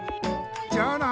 じゃあな！